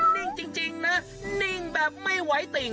นิ่งจริงนะนิ่งแบบไม่ไหวติ่ง